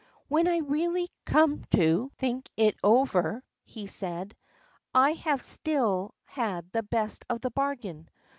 "When I really come to think it over," he said to himself, "I have still had the best of the bargain.